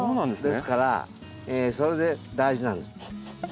ですからそれで大事なんです。